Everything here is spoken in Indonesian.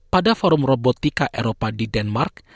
pada forum robotika eropa di denmark